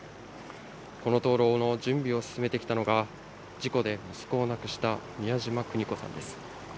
この灯籠の準備を進めてきたのが、事故で息子を亡くした、美谷島邦子さんです。